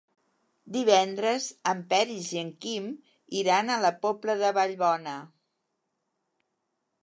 Divendres en Peris i en Quim iran a la Pobla de Vallbona.